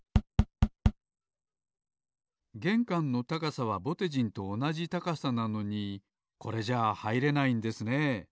げんかんの高さはぼてじんとおなじ高さなのにこれじゃあはいれないんですね。